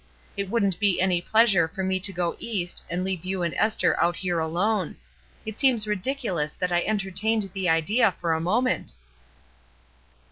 It wouldn't be any pleasure to me to go East and leave you and Esther out here alone ; it seems ridiculous that I entertained the idea for a moment."